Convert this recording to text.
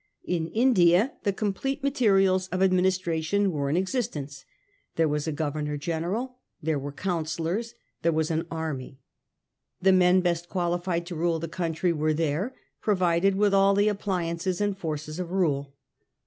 In India the complete materials of adminis tration were in existence. There was a Governor General, there were councillors, there was an army. The men best qualified to rule the country were there, provided with all the appliances and forces of rule.